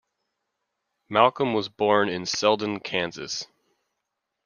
Malcolm was born in Selden, Kansas.